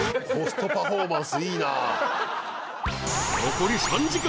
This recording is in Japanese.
［残り３時間。